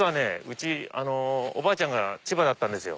うちおばあちゃんが千葉だったんです。